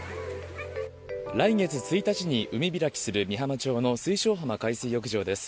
来月１日に海開きする美浜町の水晶浜海水浴場です。